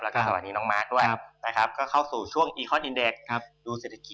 แล้วก็สวัสดีน้องมาร์คด้วยนะครับ